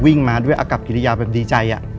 วิ่งมาด้วยอากับกิริยาแบบดีใจ